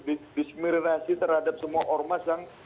dispirasi terhadap semua ormas yang